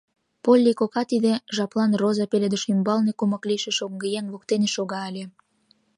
Полли кока тиде жаплан роза пеледыш ӱмбалне кумык лийше шоҥгыеҥ воктене шога ыле.